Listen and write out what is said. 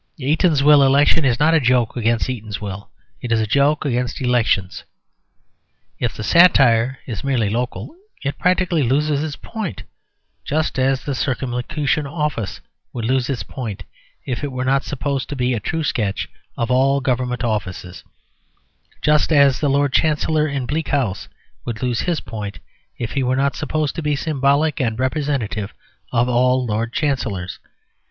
The Eatanswill election is not a joke against Eatanswill; it is a joke against elections. If the satire is merely local, it practically loses its point; just as the "Circumlocution Office" would lose its point if it were not supposed to be a true sketch of all Government offices; just as the Lord Chancellor in "Bleak House" would lose his point if he were not supposed to be symbolic and representative of all Lord Chancellors.